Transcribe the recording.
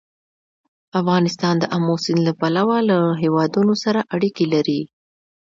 افغانستان د آمو سیند له پلوه له هېوادونو سره اړیکې لري.